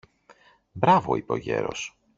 Μπράβο, είπε ο γέρος.